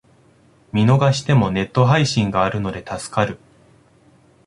見逃してもネット配信があるので助かる